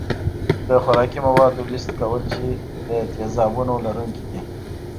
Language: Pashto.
د خوراکي موادو لست کول چې د تیزابونو لرونکي دي.